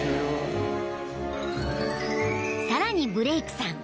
［さらにブレイクさん